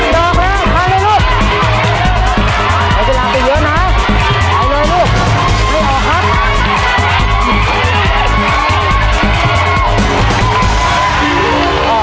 ดอกแล้วขายเลยลูกเอาเวลาไปเยอะนะฮะเอาเลยลูกไม่ออกครับ